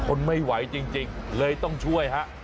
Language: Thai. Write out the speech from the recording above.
ทนไม่ไหวจริงเลยต้องช่วยฮะ